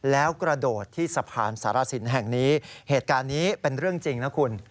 แล้วกระโดดที่สะพานสารสินแห่งนี้เหตุการณ์นี้เป็นเรื่องจริงนะคุณ